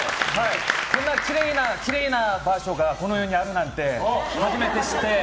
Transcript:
こんなきれいな場所がこの世にあるなんて初めて知って。